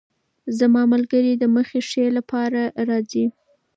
زما ملګرې د مخې ښې لپاره راځي.